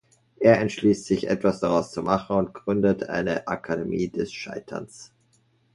Er entschließt sich, etwas daraus zu machen und gründet eine „Akademie des Scheiterns“.